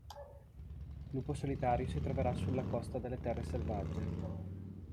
Lupo Solitario si troverà sulla costa delle Terre Selvagge.